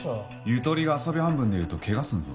ゆとりが遊び半分でいると怪我するぞ。